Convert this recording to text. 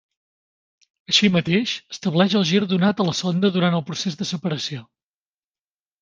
Així mateix, estableix el gir donat a la sonda durant el procés de separació.